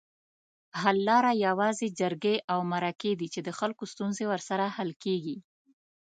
حل لاره یوازې جرګې اومرکي دي چي دخلګوستونزې ورسره حل کیږي